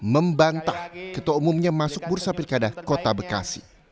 membantah ketua umumnya masuk bursa pilkada kota bekasi